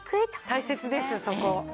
大切ですよそこ。